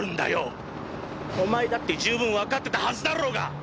お前だって十分わかってたはずだろうが！